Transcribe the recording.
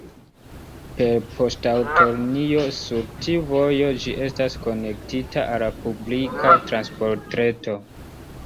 Per poŝtaŭtolinio sur tiu vojo, ĝi estas konektita al la publika transportreto.